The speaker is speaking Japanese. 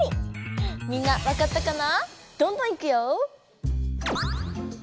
みんなわかったかな？